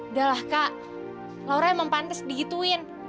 udahlah kak laura emang pantes di gituin